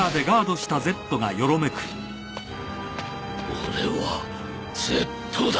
俺はＺだ。